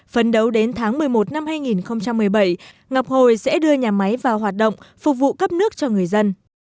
phấn đấu đến tháng một mươi một năm hai nghìn một mươi bảy ngọc hồi sẽ đưa nhà máy vào hoạt động phục vụ cấp nước cho người dân